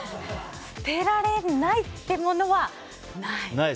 捨てられないという物はない。